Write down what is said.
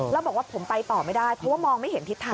แล้วบอกว่าผมไปต่อไม่ได้เพราะว่ามองไม่เห็นทิศทาง